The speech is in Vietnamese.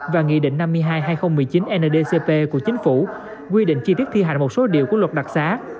và nghị định năm mươi hai hai nghìn một mươi chín ndcp của chính phủ quy định chi tiết thi hành một số điều của luật đặc xá